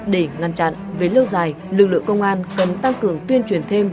để ngăn chặn về lâu dài lực lượng công an cần tăng cường tuyên truyền thêm